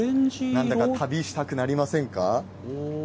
なんだか旅したくなりませんか？